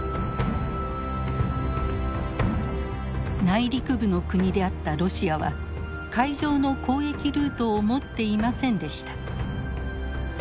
内陸部の国であったロシアは海上の交易ルートを持っていませんでした。